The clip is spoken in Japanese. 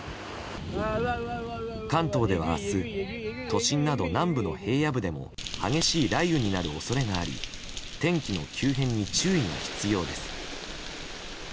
関東では明日都心など南部の平野部でも激しい雷雨になる恐れがあり天気の急変に注意が必要です。